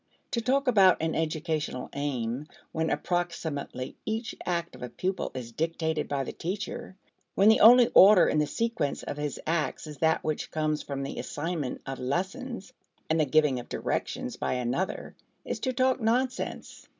To talk about an educational aim when approximately each act of a pupil is dictated by the teacher, when the only order in the sequence of his acts is that which comes from the assignment of lessons and the giving of directions by another, is to talk nonsense.